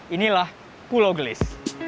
inilah pulau gelis